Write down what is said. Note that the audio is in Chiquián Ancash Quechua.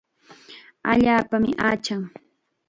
Allaapami achan.